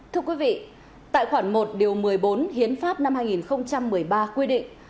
thưa quý vị tại khoản một điều một mươi bốn hiến pháp năm hai nghìn một mươi ba quy định